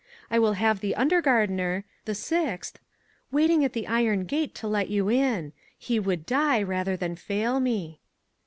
I will have the undergardener the sixth waiting at the iron gate to let you in; he would die rather than fail me."